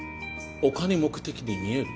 お金目的に見える？